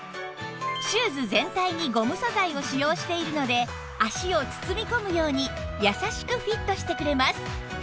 シューズ全体にゴム素材を使用しているので足を包み込むように優しくフィットしてくれます